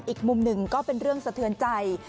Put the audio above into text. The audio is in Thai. อีกมุมหนึ่งก็เป็นเรื่องสะเทือนใจ